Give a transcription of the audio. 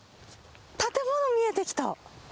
建物見えてきた。